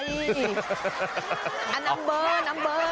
อันนัมเบอร์นัมเบอร์